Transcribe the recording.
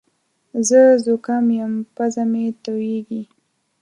زه زوکام یم پزه مې تویېږې